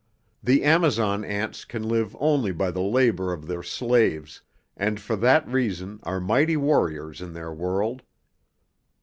The Amazon ants can live only by the labor of their slaves, and for that reason are mighty warriors in their world.